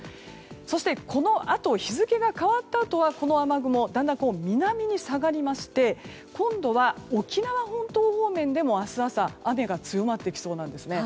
そしてこのあと日付が変わったあとはこの雨雲だんだん南に下がりまして今度は沖縄本島方面でも明日朝、雨が強まりそうです。